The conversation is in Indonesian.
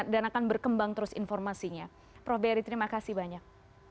akan berkembang terus informasinya prof berry terima kasih banyak